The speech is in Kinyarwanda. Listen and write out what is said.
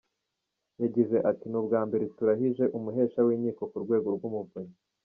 Yagize ati “Ni ubwa mbere turahije umuhesha w’Inkiko ku rwego rw’umuvunyi.